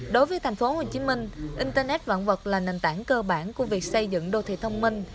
đối với tp hcm internet vạn vật là nền tảng cơ bản của việc xây dựng đô thị thông minh